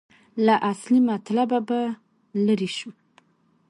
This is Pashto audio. له اصلي مطلبه به لرې شو.